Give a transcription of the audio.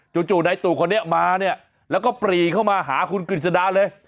จู่นายตู่คนนี้มาเนี่ยแล้วก็ปรีเข้ามาหาคุณกฤษดาเลย